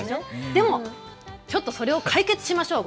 でもちょっとそれを解決しましょう。